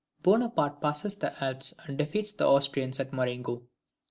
Bonaparte passes the Alps and defeats the Austrians at Marengo.